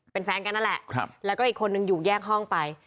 เป็นแฟนกันนั่นแหละแล้วก็อีกคนนึงอยู่แยกห้องไป